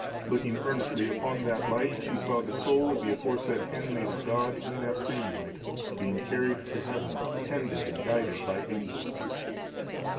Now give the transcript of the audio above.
Looking earnestly upon that light, she saw the soul of the aforesaid handmaid of God in that same light, being carried to heaven attended and guided by angels.